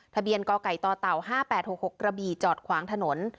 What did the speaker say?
ทะเบียนก่อไก่ต่อเต่า๕๘๖๖กระบี่จอดขวางถนน